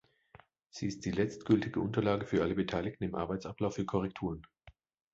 Sie ist die letztgültige Unterlage für alle Beteiligten im Arbeitsablauf für Korrekturen.